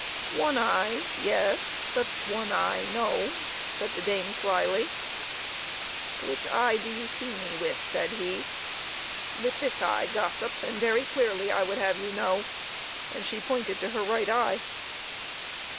" One eye, yes, but one eye, no," said the dame, slyly. " Which eye do you see me with ?" said he. " With this eye, gossip, and very clearly, I would have you know," and she pointed to her right eye.